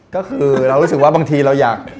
ก็คือเรารู้สึกว่าบางทีเราอยาก